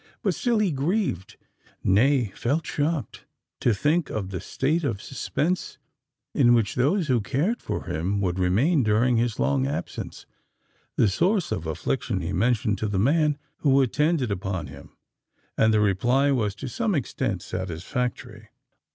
But still he grieved—nay, felt shocked to think of the state of suspense in which those who cared for him would remain during his long absence. This source of affliction he mentioned to the man who attended upon him; and the reply was to some extent satisfactory.